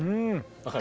分かる？